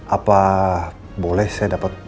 apa boleh saya dapat